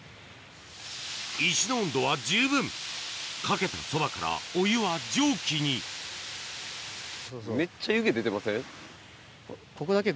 石の温度は十分かけたそばからお湯は蒸気にめっちゃ湯気出てません？